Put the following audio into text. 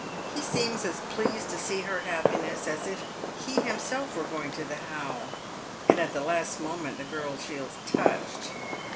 He seems as pleased to see her happiness as if he himself were going to the How, and at the last moment the girl feels touched.